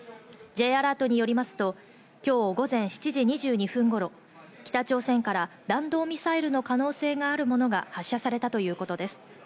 Ｊアラートによりますと、今日午前７時２２分頃着、北朝鮮から弾道ミサイルの可能性があるものが発射されたということです。